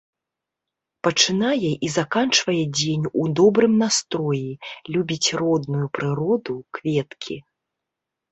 Пачынае і заканчвае дзень у добрым настроі, любіць родную прыроду, кветкі.